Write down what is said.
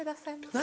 何？